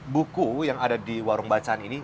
pak dari sekian banyak buku yang ada di warung bacaan ini